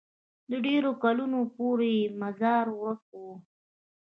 د ډېرو کلونو پورې یې مزار ورک وو.